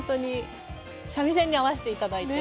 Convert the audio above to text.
三味線に合わせていただいて。